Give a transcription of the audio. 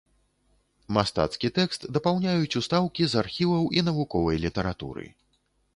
Мастацкі тэкст дапаўняюць устаўкі з архіваў і навуковай літаратуры.